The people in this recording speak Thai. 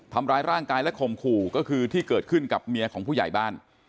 ทำร้ายร่างกายและข่มขู่ก็คือที่เกิดขึ้นกับเมียของผู้ใหญ่บ้าน